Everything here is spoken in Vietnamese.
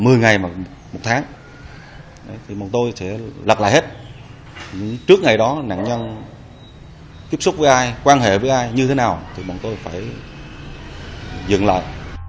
một mươi ngày một tháng thì bọn tôi sẽ lặt lại hết trước ngày đó nạn nhân tiếp xúc với ai quan hệ với ai như thế nào thì bọn tôi phải dừng lại